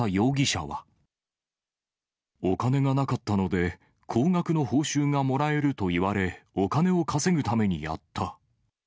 お金がなかったので、高額の報酬がもらえると言われ、お金を稼ぐためにやった。